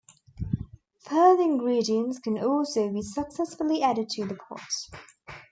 Further ingredients can also be successively added to the pot.